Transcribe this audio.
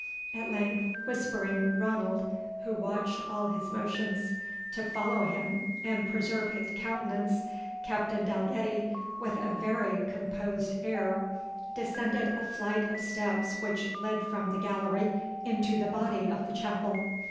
At length, whispering Ranald, who watched all his motions, to follow him and preserve his countenance, Captain Dalgetty, with a very composed air, descended a flight of steps which led from the gallery into the body of the chapel.